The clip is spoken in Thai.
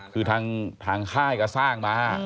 คือทางค่ายก็สร้างมา